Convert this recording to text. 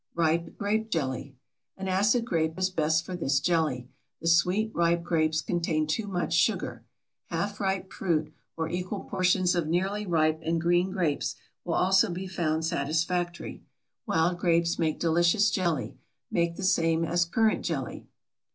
RIPE GRAPE JELLY. An acid grape is best for this jelly. The sweet, ripe grapes contain too much sugar. Half ripe fruit, or equal portions of nearly ripe and green grapes, will also be found satisfactory. Wild grapes make delicious jelly. Make the same as currant jelly.